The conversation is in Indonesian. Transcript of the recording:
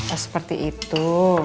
oh seperti itu